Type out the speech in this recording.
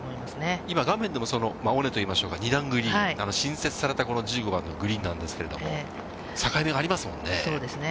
今、画面でもその尾根といいましょうか、２段組、新設されたこの１５番のグリーンなんですけれども、そうですね。